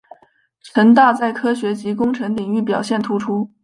城大在科学及工程领域表现突出。